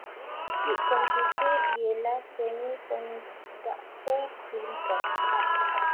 Cip komputer ialah semikonduktor silicon.